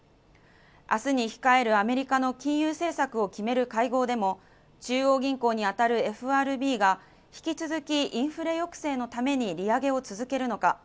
明日に控えるアメリカの金融政策を決める会合でも、中央銀行にあたるＦＲＢが引き続きインフレ抑制のために利上げを続けるのか。